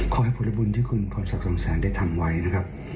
ขอให้ผลบุญที่คุณพรศักดิ์สองแสนได้ทำไว้นะครับ